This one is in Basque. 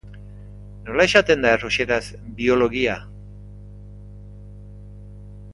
Nola esaten da errusieraz "biologia"?